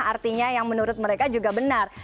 artinya yang menurut mereka juga benar